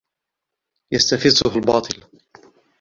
يَسْتَفِزَّهُ الْبَاطِلُ